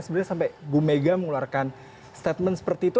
sebenarnya sampai ibu megawati mengeluarkan statement seperti itu